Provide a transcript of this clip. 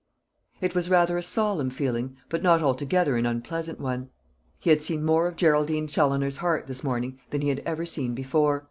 It was rather a solemn feeling, but not altogether an unpleasant one. He had seen more of Geraldine Challoner's heart this morning than he had ever seen before.